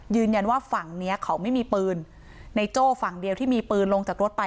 ยืนยันว่าฝั่งเนี้ยเขาไม่มีปืนในโจ้ฝั่งเดียวที่มีปืนลงจากรถไป